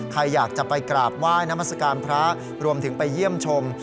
ใครอยากจะไปกราบไหว้นามัศกาลพระรวมถึงไปเยี่ยมชม